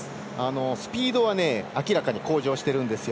スピードは明らかに向上してるんですよ。